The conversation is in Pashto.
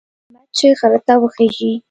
احمد چې غره ته وخېژي،